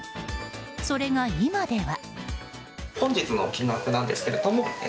それが、今では。